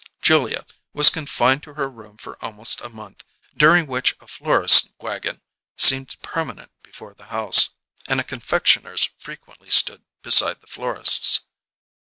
Julia was confined to her room for almost a month, during which a florist's wagon seemed permanent before the house: and a confectioner's frequently stood beside the florist's.